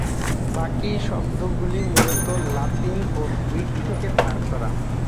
বাকী শব্দগুলি মূলত লাতিন ও গ্রিক থেকে ধার করা।